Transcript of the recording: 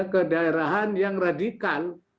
kedaerahan yang radikal